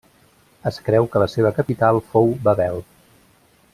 Es creu que la seva capital fou Babel.